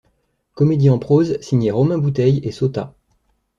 Comédie en prose signée Romain Bouteille et Sotha.